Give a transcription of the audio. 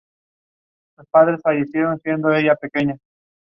Flowering has been recorded in January and the flowers are white.